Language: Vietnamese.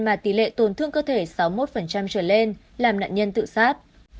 mà tỷ lệ tổn thương cơ thể sáu mươi một trở lên làm nạn nhân tự sát